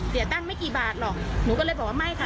เสียตั้งไม่กี่บาทหรอกหนูก็เลยบอกว่าไม่ค่ะ